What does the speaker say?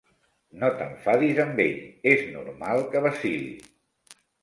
No t'enfadis amb ell: és normal, que vacil·li.